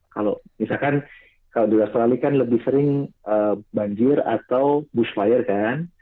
kalau misalkan kalau di australia kan lebih sering banjir atau boostfire kan